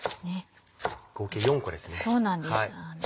合計４個ですね。